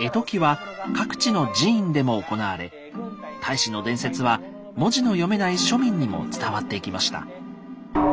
絵解きは各地の寺院でも行われ太子の伝説は文字の読めない庶民にも伝わっていきました。